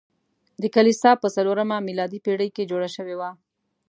دا کلیسا په څلورمه میلادي پیړۍ کې جوړه شوې وه.